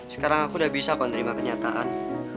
sekarang aku udah bisa kondrimah kenyataan